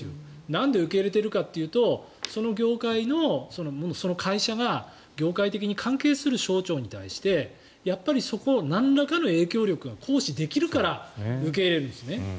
なんで受け入れているかというとその業界の会社が業界的に関係する省庁に対してそこをなんらかの影響力が行使できるから受け入れるんですね。